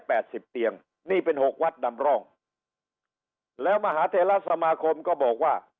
สิบเตียงนี่เป็นหกวัดดำร่องแล้วมหาเทราสมาคมก็บอกว่า